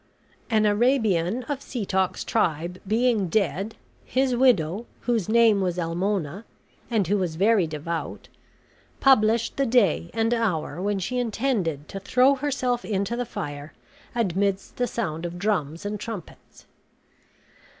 An Arabian of Setoc's tribe being dead, his widow, whose name was Almona, and who was very devout, published the day and hour when she intended to throw herself into the fire, amidst the sound of drums and trumpets.